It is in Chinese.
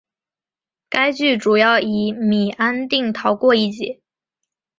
该剧主要以米安定逃过一劫。